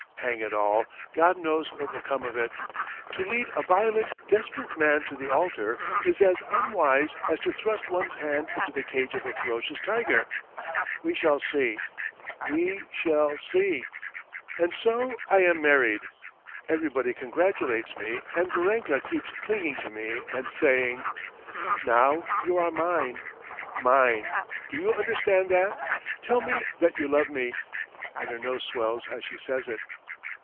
Hang it all! God knows what will come of it! To lead a violent, desperate man to the altar is as unwise as to thrust one's hand into the cage of a ferocious tiger. We shall see, we shall see! And so, I am married. Everybody congratulates me and Varenka keeps clinging to me and saying: "Now you are mine, mine; do you understand that? Tell me that you love me!" And her nose swells as she says it.